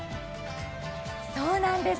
そうなんです。